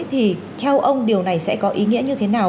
thì theo ông điều này sẽ có ý nghĩa như thế nào